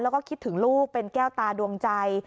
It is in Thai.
แล้วก็คิดถึงลูกเป็นแก้วตาดวงใจ